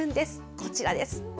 こちらです。